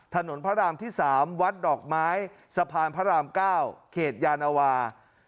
พระรามที่๓วัดดอกไม้สะพานพระราม๙เขตยานวา